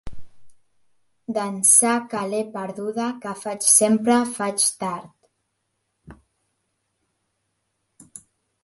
D'ençà que l'he perduda que faig sempre faig tard.